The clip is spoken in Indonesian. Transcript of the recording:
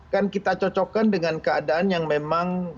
kan kita cocokkan dengan keadaan yang memang